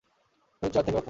Wheelchair থেকে ওঠো!